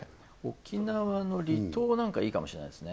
沖縄の離島なんかいいかもしれないですね